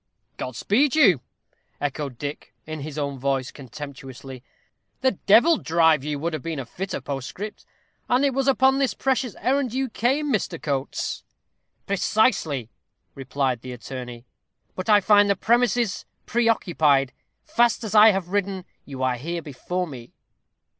"God speed you!" echoed Dick, in his own voice, contemptuously. "The devil drive you! would have been a fitter postscript. And it was upon this precious errand you came, Mr. Coates?" "Precisely," replied the attorney; "but I find the premises preoccupied. Fast as I have ridden, you are here before me."